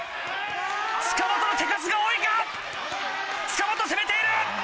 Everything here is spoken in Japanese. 塚本の手数が多いか⁉塚本攻めている！